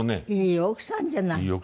いい奥さんじゃない。